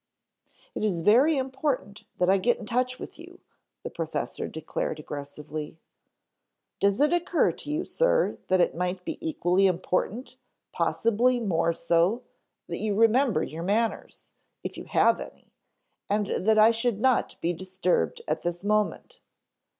"It is very important that I get in touch with you," the professor declared aggressively. "Does it occur to you, Sir, that it might be equally important, possibly more so, that you remember your manners, if you have any, and that I should not be disturbed at this moment."